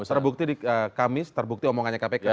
terbukti di kamis terbukti omongannya kpk